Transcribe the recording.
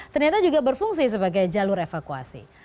ternyata juga berfungsi sebagai jalur evakuasi